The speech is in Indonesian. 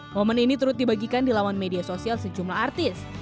momen ini turut dibagikan di lawan media sosial sejumlah artis